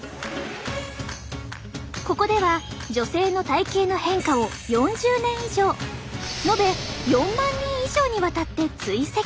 ここでは女性の体型の変化を４０年以上延べ４万人以上にわたって追跡。